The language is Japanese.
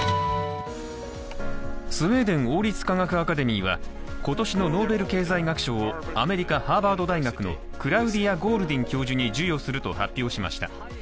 スウェーデン王立科学アカデミーは今年のノーベル経済学賞をアメリカ・ハーバード大学のクラウディア・ゴールディン教授に授与すると発表しました。